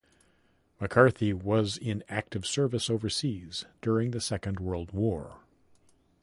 McCarthy was in active service overseas during the Second World War.